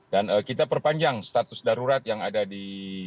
dan kita perpanjang status darurat yang ada di